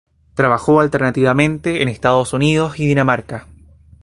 Trabajó alternativamente en Estados Unidos y Dinamarca.